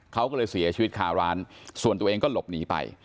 เขาก็เลยเสียชีวิตคาร้านส่วนตัวเองก็หลบหนีไป